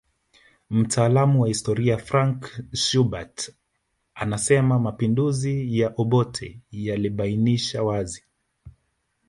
Mtaalamu wa historia Frank Schubert anasema mapinduzi ya Obote yalibainisha wazi